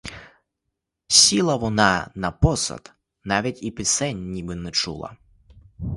Сіла вона на посад, навіть і пісень ніби не чула.